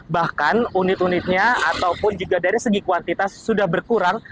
bahkan unit unitnya ataupun juga dari segi kuantitas sudah berkurang